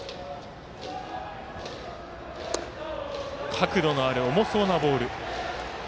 角度のある重そうなボール。